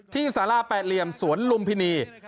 สาราแปดเหลี่ยมสวนลุมพินี